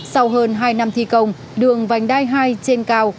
sau hơn hai năm thi công đường vành đai hai trên cao